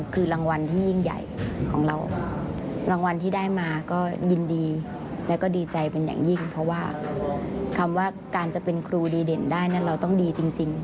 ความว่าการจะเป็นครูดีเด่นได้เราต้องดีจริง